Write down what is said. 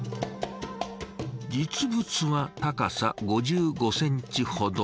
実物は高さ５５ｃｍほど。